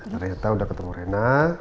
ternyata udah ketemu rena